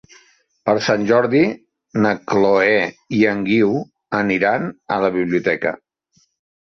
Per Sant Jordi na Chloé i en Guiu aniran a la biblioteca.